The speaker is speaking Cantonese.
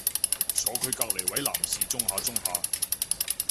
坐佢隔離位男士舂下舂下